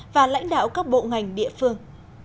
và lãnh đạo các bộ ngành địa phương